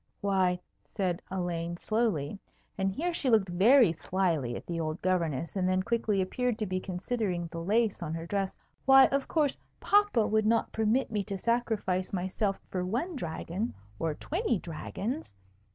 "Why," said Elaine, slowly (and here she looked very slyly at the old Governess, and then quickly appeared to be considering the lace on her dress), "why, of course, papa would not permit me to sacrifice myself for one dragon or twenty dragons."